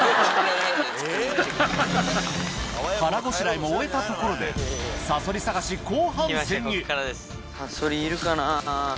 腹ごしらえも終えたところでサソリいるかな。